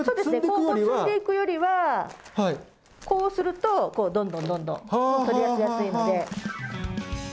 こう積んでいくよりはこうするとどんどんどんどん取り出しやすいので。